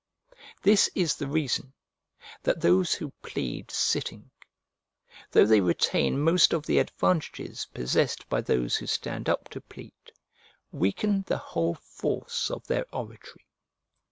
This is the reason that those who plead sitting, though they retain most of the advantages possessed by those who stand up to plead, weaken the whole force of their oratory.